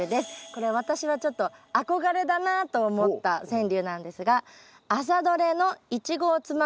これ私はちょっと憧れだなと思った川柳なんですが。